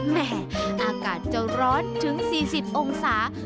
แม่อากาศจะร้อนถึง๔๐องศา